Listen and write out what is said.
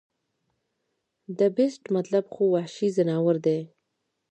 د The Beast مطلب خو وحشي ځناور دے